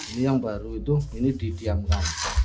ini yang baru itu ini didiamkan